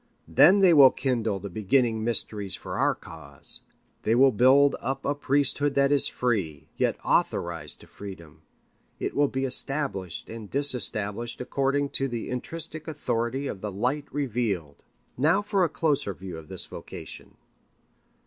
Then they will kindle the beginning mysteries for our cause. They will build up a priesthood that is free, yet authorized to freedom. It will be established and disestablished according to the intrinsic authority of the light revealed. Now for a closer view of this vocation.